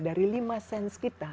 dari lima sens kita